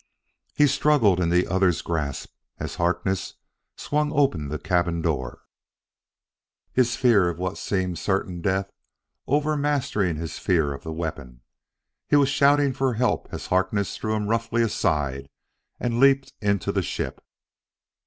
He struggled in the other's grasp as Harkness swung open the cabin door, his fear of what seemed a certain death overmastering his fear of the weapon. He was shouting for help as Harkness threw him roughly aside and leaped into the ship.